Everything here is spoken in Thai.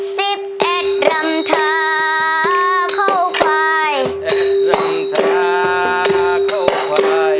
สิบแอดรำทาเข้าภาย